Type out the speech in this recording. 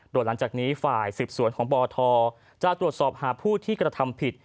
โดยหลังจากนี้ฝ่ายสืบสวนของบทจะตรวจสอบหาผู้ที่กระทำผิด